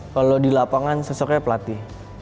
kalau di lapangan sosoknya pelatih